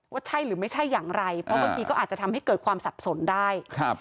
ว่าใช่หรือไม่ใช่อย่างไรเพราะบางทีก็อาจจะทำให้เกิดความสับสนได้ครับ